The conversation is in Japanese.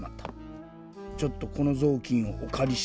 ちょっとこのぞうきんをおかりして。